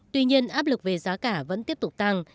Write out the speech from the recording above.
tuy nhiên áp lực về giá cả vẫn tiếp tục tăng